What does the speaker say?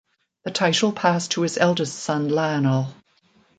The title passed to his eldest son Lionel.